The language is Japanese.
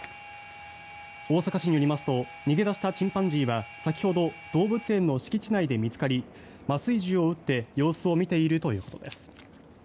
大阪市によりますと逃げ出したチンパンジーは先ほど動物園の敷地内で見つかり麻酔銃を撃って様子を見ているということです。